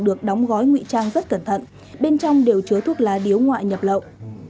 được đóng gói nguy trang rất cẩn thận bên trong đều chứa thuốc lá điếu ngoại nhập lậu